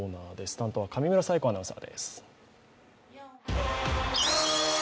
担当は上村彩子アナウンサーです。